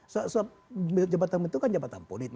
sebab jabatan itu kan jabatan politik